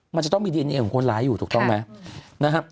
มันจะต้องมีดีเอนเอของคนร้ายอยู่ถูกต้องไหมนะครับ